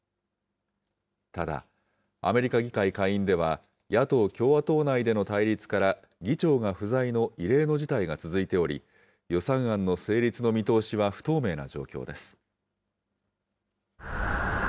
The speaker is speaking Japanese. ただ、アメリカ議会下院では、野党・共和党内での対立から、議長が不在の異例の事態が続いており、予算案の成立の見通しは不透明な状況です。